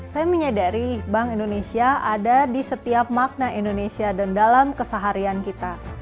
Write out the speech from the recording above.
saya menyadari bank indonesia ada di setiap makna indonesia dan dalam keseharian kita